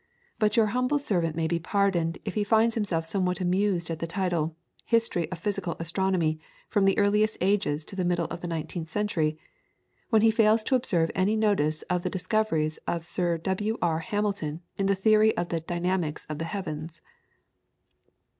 But your humble servant may be pardoned if he finds himself somewhat amused at the title, 'History of Physical Astronomy from the Earliest Ages to the Middle of the Nineteenth Century,' when he fails to observe any notice of the discoveries of Sir W. R. Hamilton in the theory of the 'Dynamics of the Heavens.'"